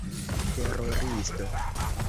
teroristo